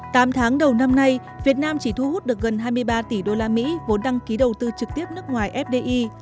tám tháng đầu năm nay việt nam chỉ thu hút được gần hai mươi ba tỷ usd vốn đăng ký đầu tư trực tiếp nước ngoài fdi